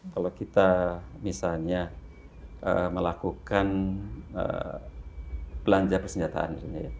kalau kita misalnya melakukan belanja persenjataan